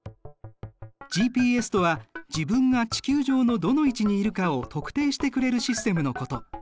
ＧＰＳとは自分が地球上のどの位置にいるかを特定してくれるシステムのこと。